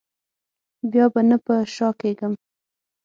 بیا به نه په شا کېږم.